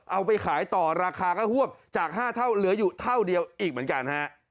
เอาไปขายต่อราคาก็หวบจาก๕เท่าเหลืออยู่เท่าเดียวอีกเหมือนกันฮะ